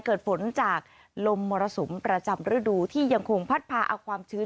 เกิดฝนจากลมมรสุมประจำฤดูที่ยังคงพัดพาเอาความชื้น